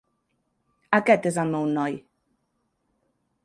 Aquest és el meu noi.